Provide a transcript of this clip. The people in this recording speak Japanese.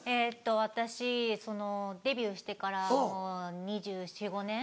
私デビューしてからもう２４２５年？